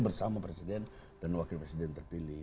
bersama presiden dan wakil presiden terpilih